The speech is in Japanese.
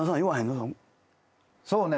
そうね。